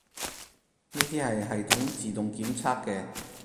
呢啲係系統自動檢測嘅